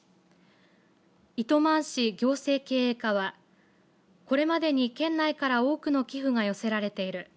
糸満市行政経営課はこれまでに県内から多くの寄付が寄せられている。